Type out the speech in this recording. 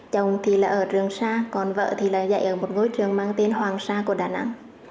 chồng thì là ở trường sa còn vợ thì là dạy ở một ngôi trường mang tên hoàng sa của đà nẵng